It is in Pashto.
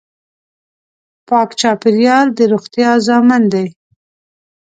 پاک چاپېریال د روغتیا ضامن دی.